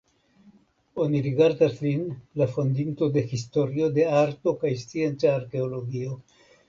Oni rigardas lin la fondinto de historio de arto kaj scienca arkeologio.